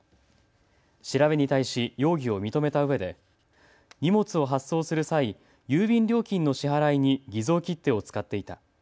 調べに対し容疑を認めたうえで荷物を発送する際、郵便料金の支払いに偽造切手を使っていた。